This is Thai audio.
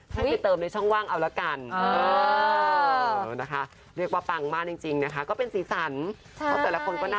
ถ้าไม่ติดเติมในช่องว่างเอาละกัน